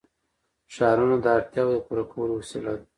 ښارونه د اړتیاوو د پوره کولو وسیله ده.